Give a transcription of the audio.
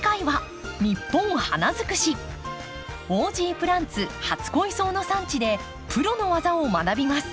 オージープランツ初恋草の産地でプロの技を学びます。